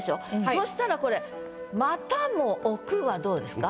そしたらこれ「またも置く」はどうですか？